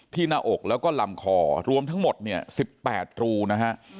หน้าอกแล้วก็ลำคอรวมทั้งหมดเนี่ย๑๘รูนะฮะ